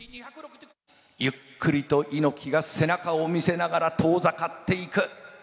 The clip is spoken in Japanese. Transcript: ゆっくりと猪木が背中を見せながら遠ざかっていく。